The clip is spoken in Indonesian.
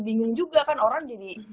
bingung juga kan orang jadi